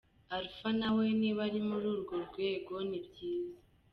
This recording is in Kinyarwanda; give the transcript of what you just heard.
Alpha nawe niba ari muri urwo rwego ni byiza.